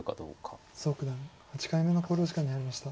蘇九段８回目の考慮時間に入りました。